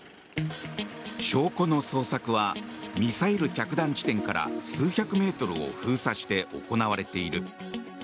証拠の捜索はミサイル着弾地点から数百メートルを封鎖して行われている。